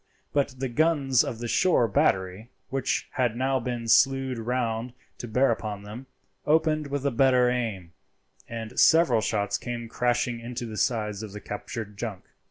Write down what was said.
But the guns of the shore battery, which had now been slewed round to bear upon them, opened with a better aim, and several shots came crashing into the sides of the captured junk.